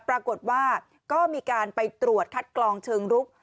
ปรากฏว่าก็มีการไปตรวจคัดกรองเชิงรุก